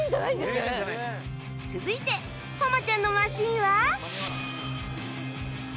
続いて誉ちゃんのマシンは